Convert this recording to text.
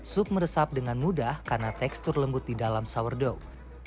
sup meresap dengan mudah karena tekstur lembut di dalam sourdog